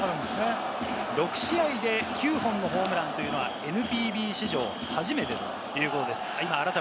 ６試合で９本のホームランというのは、ＮＰＢ史上初めてということです。